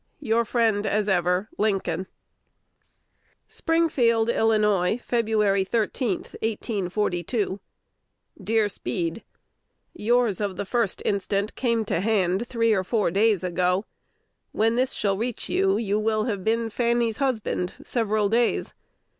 Your friend as ever, Lincoln. Springfield, Ill., Feb. 13, 1842. Dear Speed, Yours of the 1st inst. came to hand three or four days ago. When this shall reach you, you will have been Fanny's husband several days.